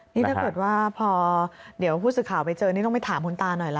นี่ถ้าเกิดว่าพอเดี๋ยวผู้สื่อข่าวไปเจอนี่ต้องไปถามคุณตาหน่อยล่ะ